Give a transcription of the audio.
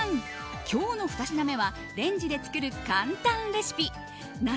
今日の２品目はレンジで作る簡単レシピ夏